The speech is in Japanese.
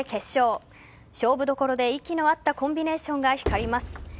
勝負どころで息の合ったコンビネーションが光ります。